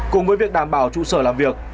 cùng với việc đảm bảo trụ sở làm việc